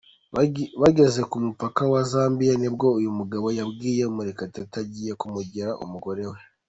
Bageze ku mupaka wa Zambia nibwo uyu mugabo yabwiye Murekatete agiye kumugira umugore we.